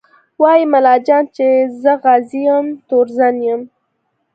وايي ملا جان چې زه غازي یم تورزن یم